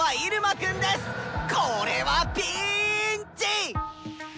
これはピーンチ！